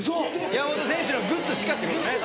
山本選手のグッズしかってことね